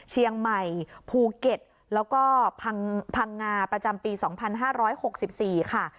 เชียงใหม่ภูเก็ตแล้วก็พังงาประจำปี๒๕๖๔ค่ะ